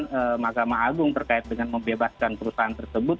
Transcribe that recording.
keputusan mahkamah agung terkait dengan membebaskan perusahaan tersebut